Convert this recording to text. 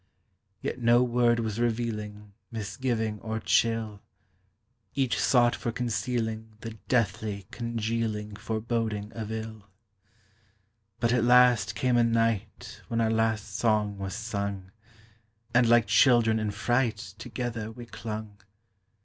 Yet no word was revealing Misgiving or chill; Each sought for concealing The deathly, congealing Foreboding of ill. But at last came a night When our last song was sung, And like children in fright Together we clung.